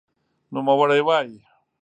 نوموړی وایي،